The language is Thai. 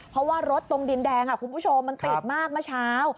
เพราะว่ารถตรงดินแดงคุณผู้ชมมันติดมากเมื่อเช้า